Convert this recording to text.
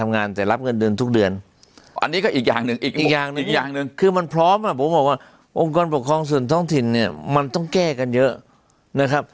องค์กรปกครองส่วนท่องถิ่นเนี่ยมันต้องแก้กันเยอะนะครับ